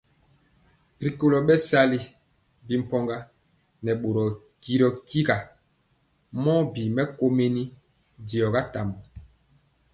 Rikolo bɛsali bi mpɔga nɛ boro tyiegɔ kira mɔ bi mɛkomeni diɔ tambɔ.